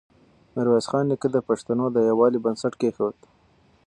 ميرويس خان نیکه د پښتنو د يووالي بنسټ کېښود.